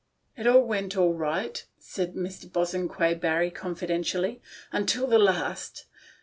" It all went all right," said Mr. Bosanquet Barry confidentially, "until the last.